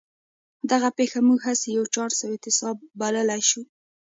دغه پېښه موږ هسې یو چانس او تصادف بللای شو